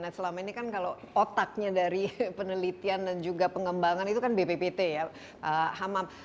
nah selama ini kan kalau otaknya dari penelitian dan juga pengembangan itu kan bppt ya hamam